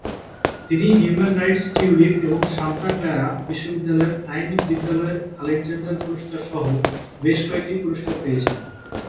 তিনি 'human rights tulip' এবং Santa Clara বিশ্ববিদ্যালয়ের আইন বিদ্যালয়ের আলেকজান্ডার পুরস্কার সহ বেশ কয়েকটি পুরস্কার পেয়েছেন।